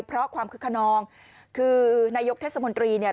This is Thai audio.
เพราะความคึกขนองคือนายกเทศมนตรีเนี่ย